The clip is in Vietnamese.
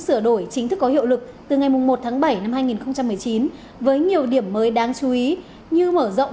sửa đổi chính thức có hiệu lực từ ngày một tháng bảy năm hai nghìn một mươi chín với nhiều điểm mới đáng chú ý như mở rộng